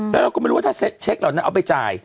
แล้วเราก็ไม่รู้ว่าถ้าเช็คเหล่านั้นเอาไปจ่าย